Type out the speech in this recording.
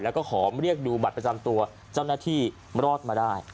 แล้วก็ขอเรียกดูบัตรประจำตัวเจ้าหน้าที่รอดมาได้